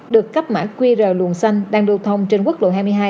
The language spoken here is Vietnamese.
được cắp mã qr luồng xanh đang đồ thông trên quốc lộ hai mươi hai